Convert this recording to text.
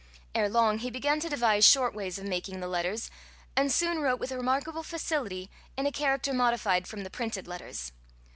Ere long he began to devise short ways of making the letters, and soon wrote with remarkable facility in a character modified from the printed letters.